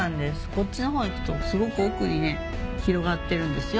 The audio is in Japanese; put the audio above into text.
こっちの方行くとすごく奥にね広がってるんですよ。